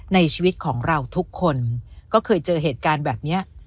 ในชีวิตของเราทุกคนก็เคยเจอเหตุการณ์แบบนี้